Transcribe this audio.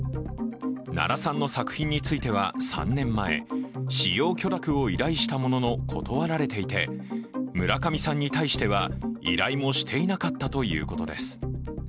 奈良さんの作品については３年前、使用許諾を依頼したものの断られていて村上さんに対しては、依頼もしていなかったということです。